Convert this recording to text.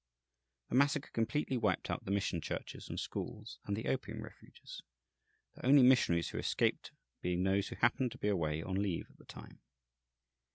The massacre completely wiped out the mission churches and schools and the opium refuges, the only missionaries who escaped being those who happened to be away on leave at the time.